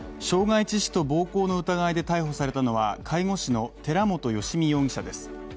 傷害致死と暴行の疑いで逮捕されたのは介護士の寺本由美です。